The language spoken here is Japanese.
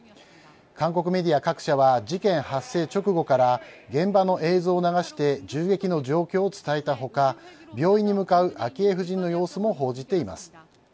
韓国メディア各社は事件発生直後から現場の映像を流して銃撃の状況を伝えた他病院に向かう昭恵夫人の様子も報じています。